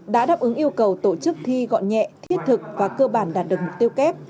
đã đáp ứng yêu cầu tổ chức thi gọn nhẹ thiết thực và cơ bản đạt được mục tiêu kép